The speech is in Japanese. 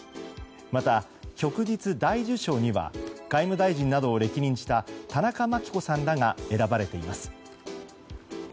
また、旭日大綬章には外務大臣などを歴任した田中眞紀子さんらが選ばれています。